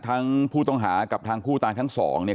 ทั้งผู้ต้องหากับทางผู้ตายทั้งสองเนี่ย